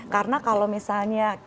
karena kalau misalnya